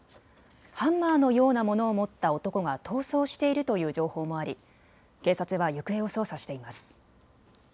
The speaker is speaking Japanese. ハンマーのようなものを持った男が逃走しているという情報もあり警察は行方を捜査しています。